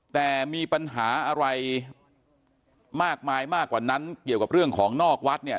แต่มีปัญหาอะไรมากมายมากกว่านั้นเกี่ยวกับเรื่องของนอกวัดเนี่ย